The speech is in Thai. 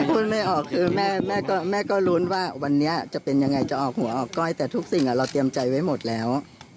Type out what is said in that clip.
คุณแม่ก็รุ้นว่าวันนี้จะเป็นยังไงจะออกหัวออกก้อยแต่ทุกสิ่งเราเตรียมใจไว้หมดยังไงครับ